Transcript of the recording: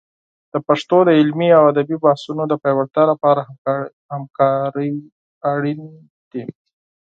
د پښتو د علمي او ادبي بحثونو د پیاوړتیا لپاره همکارۍ اړین دي.